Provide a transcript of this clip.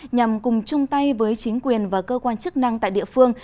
nhằm cùng chung tay với chính quyền và cơ quan chức năng tại địa phương